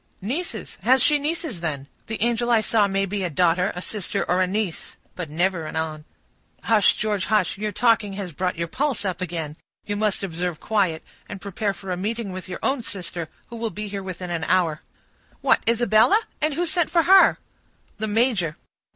"Nieces? Has she nieces, then? The angel I saw may be a daughter, a sister, or a niece,—but never an aunt." "Hush, George, hush; your talking has brought your pulse up again. You must observe quiet, and prepare for a meeting with your own sister, who will be here within an hour." "What, Isabella! And who sent for her?" "The major."